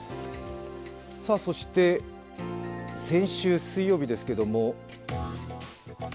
そして先週水曜日ですけど。